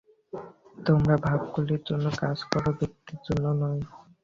তোমরা ভাবগুলির জন্য কাজ কর, ব্যক্তির জন্য নয়।